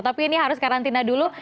tapi ini harus karantina dulu